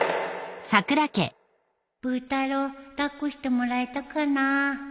ブー太郎抱っこしてもらえたかな？